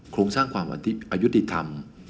โครงสร้างความอายุติธรรม